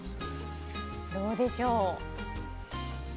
どうでしょう？